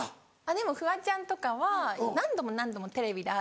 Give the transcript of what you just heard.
でもフワちゃんとかは何度も何度もテレビで会って。